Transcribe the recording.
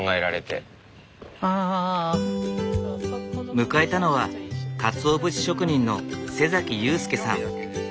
迎えたのはかつお節職人の祐介さん。